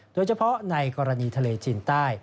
โดยเฉพาะในกรณีทะเลจีนใต้